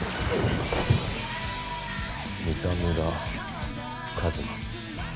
「三田村一馬」。